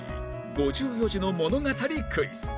５４字の物語クイズ